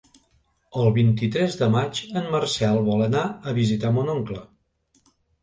El vint-i-tres de maig en Marcel vol anar a visitar mon oncle.